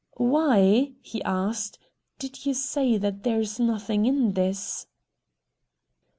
"Why," he asked, "did you say that there's nothing in this?"